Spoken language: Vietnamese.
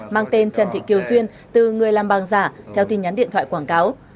mang tên trần thị kiều duyên từ người làm băng giả theo tin nhắn điện thoại quảng cáo